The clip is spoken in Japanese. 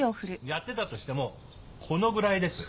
やってたとしてもこのぐらいです。